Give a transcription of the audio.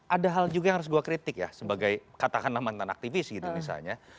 ada hal juga yang harus gue kritik ya sebagai katakanlah mantan aktivis gitu misalnya